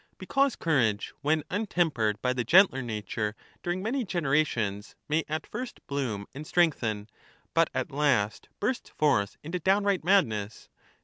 Because courage, when untempered by the gentler into help nature during many generations, may at first bloom and i«s5n«s. strengthen, but at last bursts forth into downright madness.